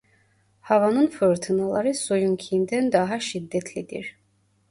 Havanın fırtınaları suyunkinden daha şiddetlidir.